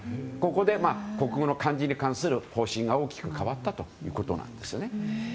ここで国語の漢字に関する方針が大きく変わったということです。